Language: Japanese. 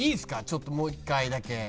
ちょっともう一回だけ。